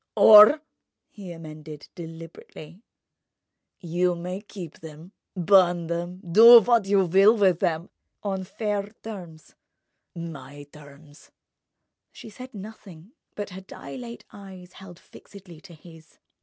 "Or," he amended, deliberately, "you may keep them, burn them, do what you will with them—on fair terms—my terms." She said nothing, but her dilate eyes held fixedly to his.